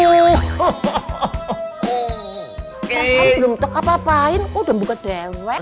kamu belum teka apa apain kau udah buka dewek